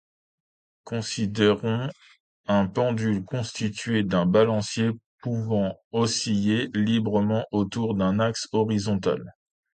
Considérons un pendule constitué d'un balancier pouvant osciller librement autour d'un axe horizontal.